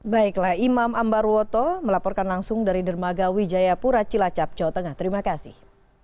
baiklah imam ambarwoto melaporkan langsung dari dermaga wijayapura cilacap jawa tengah terima kasih